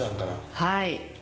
はい。